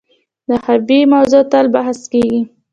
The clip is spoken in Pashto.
د حقابې موضوع تل بحث کیږي.